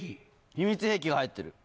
秘密兵器が入ってる。